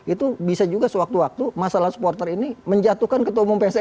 itu bisa juga sewaktu waktu masalah supporter ini menjatuhkan ketua umum pssi